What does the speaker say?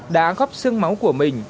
đã góp xương máu của mình